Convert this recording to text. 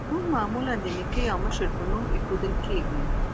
نوم معمولا د نیکه یا مشر په نوم ایښودل کیږي.